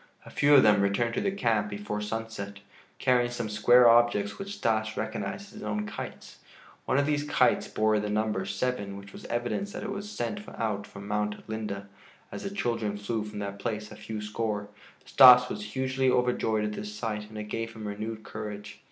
A few of them returned to the camp before sunset, carrying some square objects which Stas recognized as his own kites. One of these kites bore the number 7, which was evidence that it was sent out from Mount Linde, as the children flew from that place a few score. Stas was hugely overjoyed at this sight and it gave him renewed courage.